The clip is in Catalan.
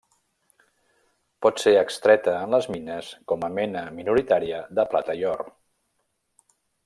Pot ser extreta en les mines com a mena minoritària de plata i or.